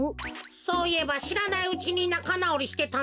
そういえばしらないうちになかなおりしてたな。